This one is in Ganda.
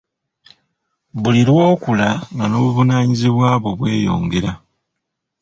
Buli lw'okula nga n'obuvunaanyizibwa bwo bweyongera.